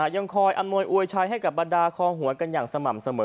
ยังคอยอำนวยอวยชัยให้กับบรรดาคองหัวกันอย่างสม่ำเสมอ